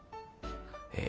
え